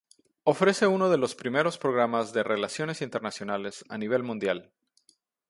Ofrece uno de los primeros programas en Relaciones Internacionales a nivel mundial.